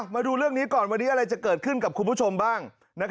มาดูเรื่องนี้ก่อนวันนี้อะไรจะเกิดขึ้นกับคุณผู้ชมบ้าง